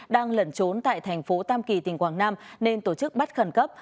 đang lẩn trốn tại thành phố tam kỳ tỉnh quảng nam nên tổ chức bắt khẩn cấp